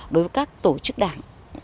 đối với các tổ chức đảng